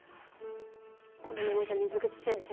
このままじゃ水口先生